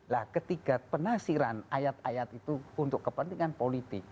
lah ketiga penasiran ayat ayat itu untuk kepentingan politik